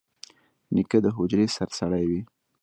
نیکه د حجرې سرسړی وي.